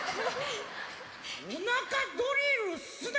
おなかドリルすな！